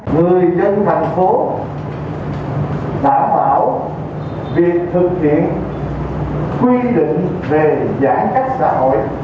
người dân thành phố đảm bảo việc thực hiện quy định về giãn cách xã hội